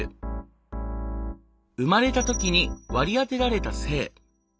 生まれた時に割り当てられた性。